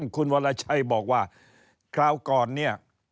คุณวรชัยบอกว่าคราวก่อนเนี่ย